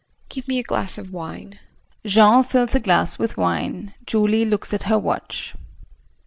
Give me a glass of wine. [Jean fills a glass with wine, Julie looks at her watch.